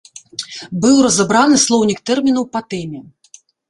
Быў разабраны слоўнік тэрмінаў па тэме.